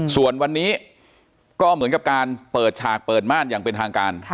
ส่วนวันนี้ก็เหมือนกับการเปิดฉากเปิดม่านอย่างเป็นทางการ